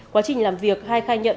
quá trình làm việc hai khai nhận